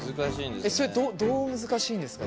それどう難しいんですか？